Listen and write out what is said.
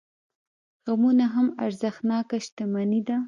غمونه هم ارزښتناکه شتمني ده.